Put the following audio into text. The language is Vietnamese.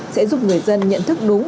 sẽ giúp người dân nhận thức đúng